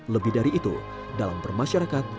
lebih dari itu dalam bermasyarakat